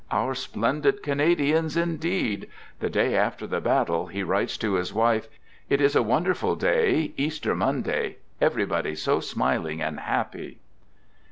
" Our splendid Canadians," indeed! The day after the battle he writes to his wife :" It is a wonderful day. Easter Monday — everybody so smiling and happy."